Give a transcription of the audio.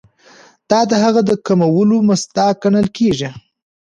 دا د هغه د کمولو مصداق ګڼل کیږي.